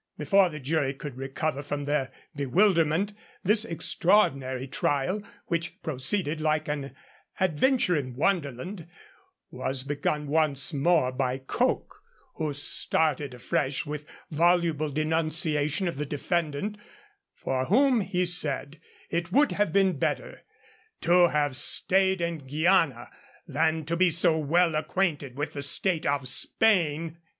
Before the jury could recover from their bewilderment, this extraordinary trial, which proceeded like an Adventure in Wonderland, was begun once more by Coke, who started afresh with voluble denunciation of the defendant, for whom, he said, it would have been better 'to have stayed in Guiana than to be so well acquainted with the state of Spain.'